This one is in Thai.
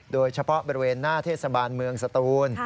โดยเฉพาะบริเวณหน้าเทศบาลเมืองสตูน